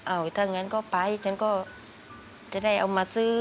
เอาถ้างั้นก็ไปฉันก็จะได้เอามาซื้อ